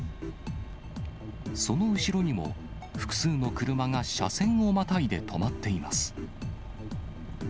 その後ろにも、複数の車が車線をまたいで止まっています。